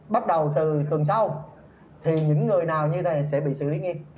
bắt đầu từ tuần sau thì những người nào như thế này sẽ bị xử lý nghiêm